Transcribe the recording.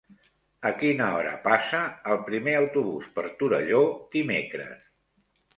A quina hora passa el primer autobús per Torelló dimecres?